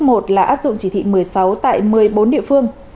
một là áp dụng chỉ thị một mươi sáu tại một mươi bốn địa phương